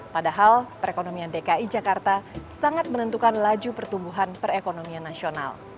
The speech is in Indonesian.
padahal perekonomian dki jakarta sangat menentukan laju pertumbuhan perekonomian nasional